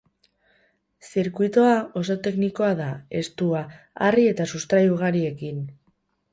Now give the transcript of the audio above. Zirkuitoa oso teknikoa da, estua, harri eta sustrai ugarirekin.